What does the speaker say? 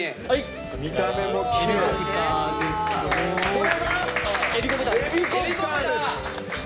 これが海老コプターです！